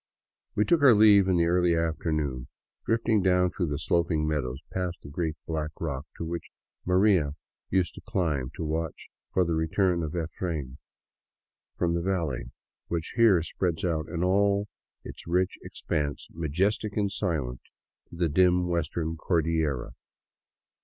We took our leave in the early afternoon, drifting down through sloping meadows past the great black rock to which " Maria " used to climb to w"atch for the return of " Efrain " from the valley, which here spreads out in all its rich expanse, magestic and silent, to the dim Western Cordillera.